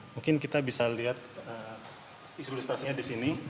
mungkin kita bisa lihat isibilitasnya di sini